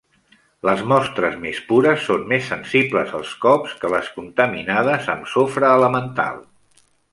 Les mostres més pures són més sensibles als cops que les contaminades amb sofre elemental.